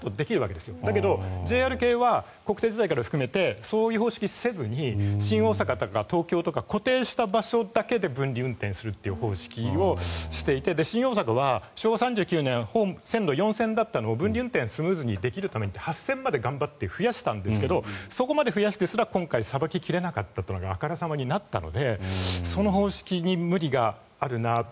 だけどＪＲは国鉄時代から含めてそういう方式をせず新大阪とか東京とか固定した場所で分離運転するという方式をしていて新大阪は昭和３９年線路４線だったのを分離運転がスムーズにできるように８線まで頑張って増やしたんですがそこまで増やしてすら今回さばき切れないというのがあからさまにあったのでその方式に無理があるなと。